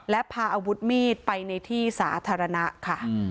และพาอาวุธมีดไปในที่สาธารณะค่ะ